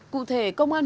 cụ thể công an huyện long